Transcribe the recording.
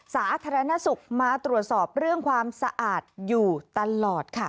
สาธารณสุขมาตรวจสอบเรื่องความสะอาดอยู่ตลอดค่ะ